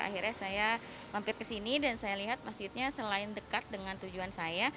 akhirnya saya mampir ke sini dan saya lihat masjidnya selain dekat dengan tujuan saya